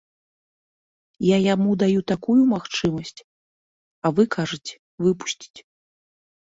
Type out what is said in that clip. Я яму даю такую магчымасць, а вы кажаце выпусціць.